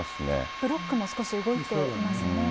ブロックも少し動いていますね。